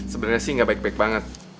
sebenarnya sih gak baik baik banget